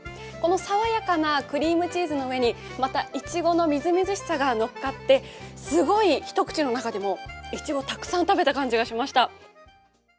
この爽やかなクリームチーズの上に、またいちごのみずみずしさが乗っかってすごい一口の中でもいちごをたくさん食べた感じがしました。